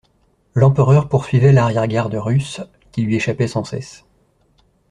L'empereur poursuivait l'arrière-garde russe, qui lui échappait sans cesse.